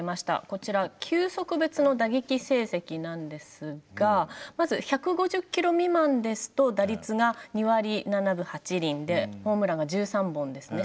こちら球速別の打撃成績なんですがまず１５０キロ未満ですと打率が２割７分８厘でホームランが１３本ですね。